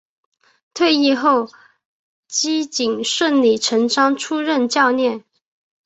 退役后基瑾顺理成章出任教练。